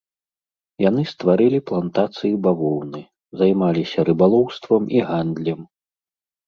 Яны стварылі плантацыі бавоўны, займаліся рыбалоўствам і гандлем.